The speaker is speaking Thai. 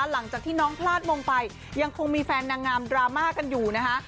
หลังจากที่น้องพลาดมงไปยังคงมีแฟนนางงามดราม่ากันอยู่นะคะ